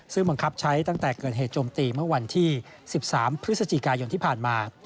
ซึ่งบังคับใช้ตั้งแต่เกิดเหตุโจมตีเมื่อวันที่๑๓พฤศจิกายนที่ผ่านมา